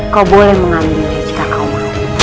kau boleh mengambilnya jika kau mau